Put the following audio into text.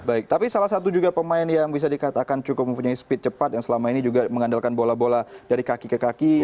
baik tapi salah satu juga pemain yang bisa dikatakan cukup mempunyai speed cepat yang selama ini juga mengandalkan bola bola dari kaki ke kaki